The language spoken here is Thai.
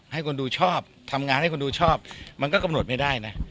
ให้คนดูชอบทำงานให้คนดูชอบมันก็กำหนดไม่ได้นะ